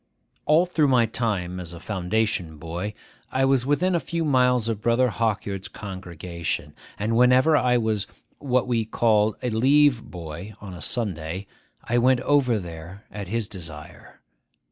All through my time as a foundation boy, I was within a few miles of Brother Hawkyard's congregation; and whenever I was what we called a leave boy on a Sunday, I went over there at his desire.